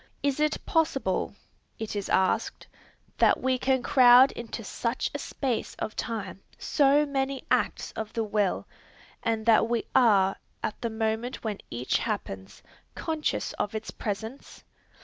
Is it possible, it is asked, that we can crowd into such a space of time so many acts of the will, and that we are, at the moment when each happens, conscious of its presence?